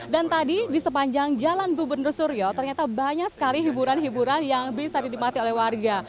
dan tadi di sepanjang jalan gubernur surya ternyata banyak sekali hiburan hiburan yang bisa ditikmati oleh warga